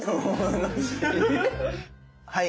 はい。